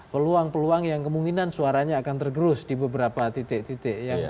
peluang peluang yang kemungkinan suaranya akan tergerus di beberapa titik titik